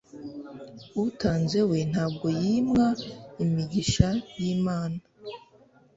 utanze we ntabwo yimwa imigisha y'Imana.